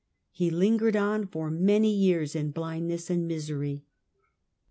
He lingered on for many years in blindness and misery.